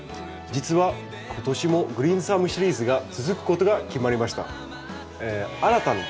実は今年も「グリーンサム」シリーズが続くことが決まりました。